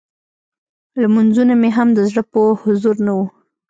لمونځونه مې هم د زړه په حضور نه وو.